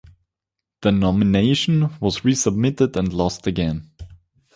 The nomination was resubmitted and lost again.